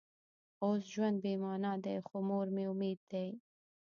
اوس ژوند بې معنا دی خو مور مې امید دی